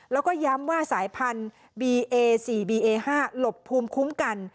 แล้วก็ย้ำว่าสายพันธุ์บีเอ๔บีเอ๕หลบภูมิคุ้มกัน